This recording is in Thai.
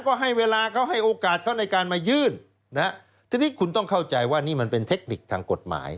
ก็ให้เวลาเขาให้โอกาสเขาในการมายื่นนะฮะทีนี้คุณต้องเข้าใจว่านี่มันเป็นเทคนิคทางกฎหมาย